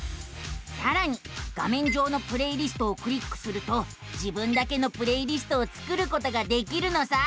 さらに画めん上の「プレイリスト」をクリックすると自分だけのプレイリストを作ることができるのさあ。